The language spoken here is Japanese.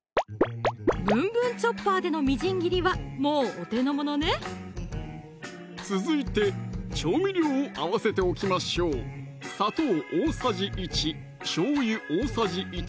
「ぶんぶんチョッパー」でのみじん切りはもうお手のものね続いて調味料を合わせておきましょう砂糖大さじ１・しょうゆ大さじ１